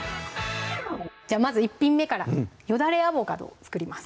じゃあまず１品目から「よだれアボカド」を作ります